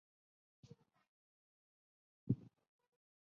是日本的日本电视动画的作品。